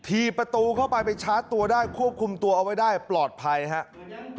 ประตูเข้าไปไปชาร์จตัวได้ควบคุมตัวเอาไว้ได้ปลอดภัยครับ